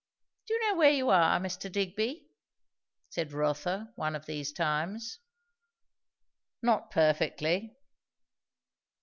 "Do you know where you are, Mr. Digby?" said Rotha, one of these times. "Not perfectly."